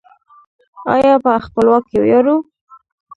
آیا په خپلواکۍ ویاړو؟